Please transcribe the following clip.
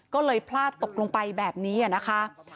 ไม่เคยพลาดตกลงไปแบบนี้อะนะคะ